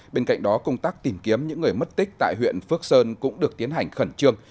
bên cạnh đó công tác tìm kiếm những người mất tích tại huyện phước sơn cũng được tiến hành khẩn trương